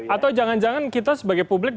atau jangan jangan kita sebagai publik